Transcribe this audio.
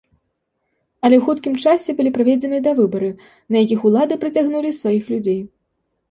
Але ў хуткім часе былі праведзены давыбары, на якіх улады прыцягнулі сваіх людзей.